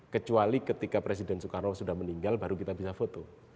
kecuali ketika presiden soekarno sudah meninggal baru kita bisa foto